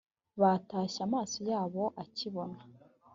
batashye amaso yabo akibona